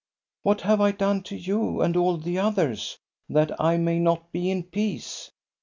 What have I done to you and all the others, that I may not be in peace?